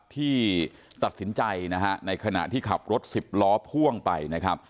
ที่ตัดสินใจนะฮะในขณะที่ขับรถสิบล้อพ่วงไปนะครับ